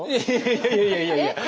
いやいやいやいや。